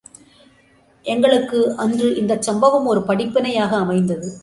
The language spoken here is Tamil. எங்களுக்கு அன்று இந்தச் சம்பவம் ஒரு படிப்பினையாக அமைந்தது.